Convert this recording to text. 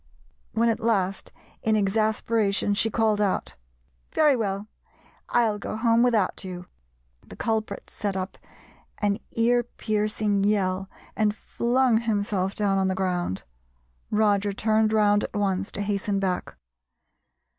When at last in exasperation she called out, "Very well, I'll go home without you," the culprit set up an ear piercing yell and flung himself down on the ground. Roger turned round at once, to hasten back.